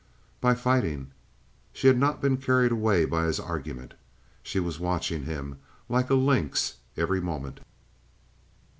"By fighting?" She had not been carried away by his argument. She was watching him like a lynx every moment.